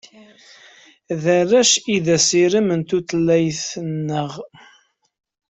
D arrac i d asirem n tutlayt-nneɣ.